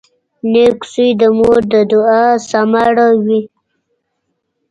• نېک زوی د مور د دعا ثمره وي.